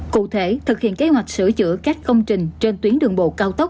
cụ thể thực hiện kế hoạch sửa chữa các công trình trên tuyến đường bộ cao tốc